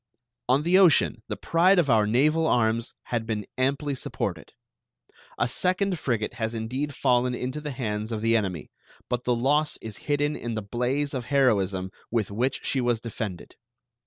On the ocean the pride of our naval arms had been amply supported. A second frigate has indeed fallen into the hands of the enemy, but the loss is hidden in the blaze of heroism with which she was defended.